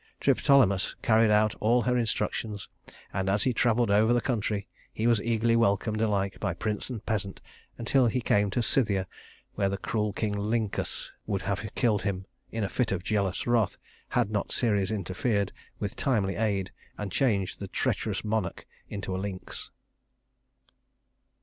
Triptolemus carried out all her instructions; and as he traveled over the country he was eagerly welcomed alike by prince and peasant until he came to Scythia, where the cruel King Lyncus would have killed him, in a fit of jealous wrath, had not Ceres interfered with timely aid and changed the treacherous monarch into a lynx.